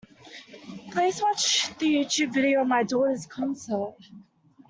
Please watch the Youtube video of my daughter's concert